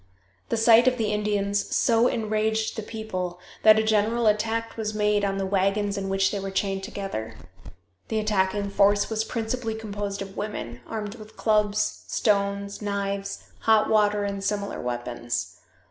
The sight of the Indians so enraged the people that a general attack was made on the wagons in which they were chained together. The attacking force was principally composed of women, armed with clubs, stones, knives, hot water and similar weapons.